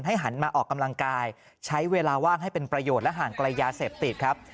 หันมาออกกำลังกายใช้เวลาว่างให้เป็นประโยชน์และห่างไกลยาเสพติดครับ